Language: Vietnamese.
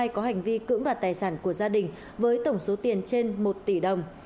có hành vi cưỡng đoạt tài sản của gia đình với tổng số tiền trên một tỷ đồng